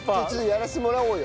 やらせてもらおうよ。